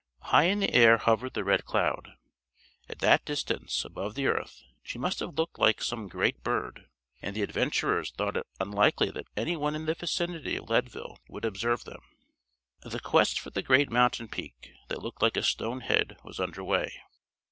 High in the air hovered the Red Cloud. At that distance above the earth she must have looked like some great bird, and the adventurers thought it unlikely that any one in the vicinity of Leadville would observe them. The quest for the great mountain peak, that looked like a stone head, was under way.